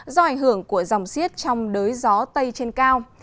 do ảnh hưởng của dòng siết trong đới gió tây trên cao